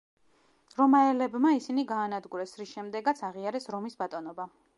რომაელებმა ისინი გაანადგურეს, რის შემდეგაც აღიარეს რომის ბატონობა.